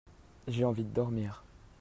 J'ai envie de dormir.